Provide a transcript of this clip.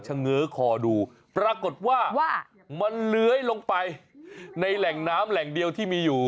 เง้อคอดูปรากฏว่ามันเลื้อยลงไปในแหล่งน้ำแหล่งเดียวที่มีอยู่